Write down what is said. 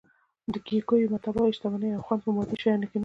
د کیکویو متل وایي شتمني او خوند په مادي شیانو نه دي.